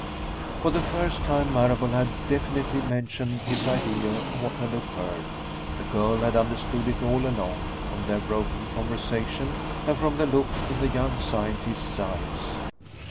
For the first time Marable had definitely mentioned his idea of what had occurred. The girl had understood it all along, from their broken conversation and from the look in the young scientist's eyes.